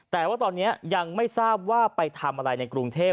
แต่ว่าตอนนี้ยังไม่ทราบว่าไปทำอะไรในกรุงเทพ